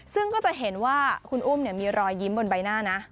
ซึ่งก็จะเห็นว่าคุณอุ้มมีรอยยิ้มบนใบหน้านะ